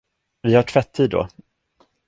Vi har tvätt-tid då.